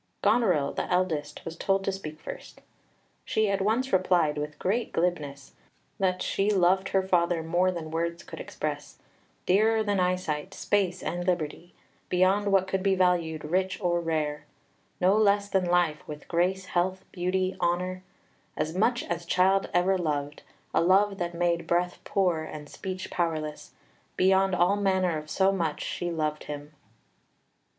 Goneril, the eldest, was told to speak first. She at once replied, with great glibness, that she loved her father more than words could express dearer than eyesight, space, and liberty; beyond what could be valued, rich or rare; no less than life, with grace, health, beauty, honour; as much as child ever loved; a love that made breath poor, and speech powerless; beyond all manner of so much, she loved him.